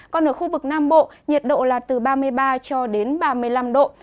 còn ở khu vực nam bộ nhiệt độ là từ ba mươi ba cho đến ba mươi năm độ